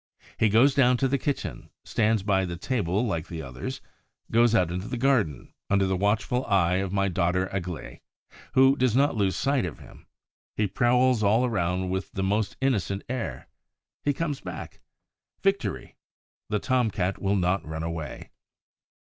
He goes down to the kitchen, stands by the table like the others, goes out into the garden, under the watchful eye of my daughter Aglaé, who does not lose sight of him; he prowls all around with the most innocent air. He comes back. Victory! The Tom cat will not run away.